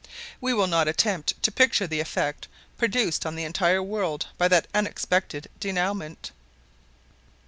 We will not attempt to picture the effect produced on the entire world by that unexpected denouement.